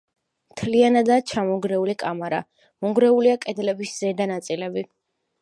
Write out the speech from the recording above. მთლიანადაა ჩამონგრეული კამარა, მონგრეულია კედლების ზედა ნაწილები.